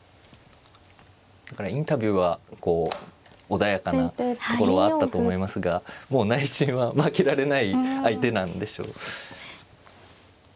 だからインタビューはこう穏やかなところはあったと思いますがもう内心は負けられない相手なんでしょう。